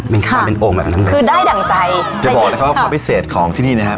เป็นความเป็นโอ่งแบบนั้นคือได้ดั่งใจจะบอกนะครับว่าความพิเศษของที่นี่นะครับ